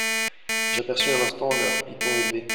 J'aperçus un instant leurs pitons élevés.